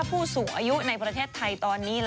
ผู้สูงอายุในประเทศไทยตอนนี้